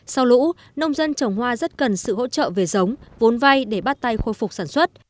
sau lũ nông dân trồng hoa rất cần sự hỗ trợ về giống vốn vay để bắt tay khôi phục sản xuất